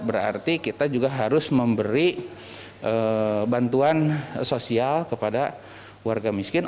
berarti kita juga harus memberi bantuan sosial kepada warga miskin